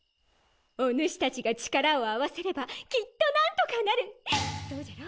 お主達が力を合わせればきっとなんとかなるっ！！